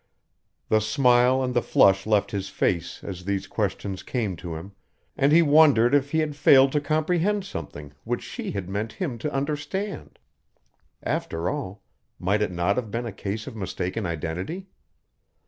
The smile and the flush left his face as these questions came to him and he wondered if he had failed to comprehend something which she had meant him to understand. After all, might it not have been a case of mistaken identity?